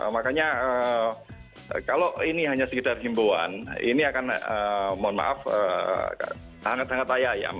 makanya kalau ini hanya sekedar himbauan ini akan mohon maaf hangat ayam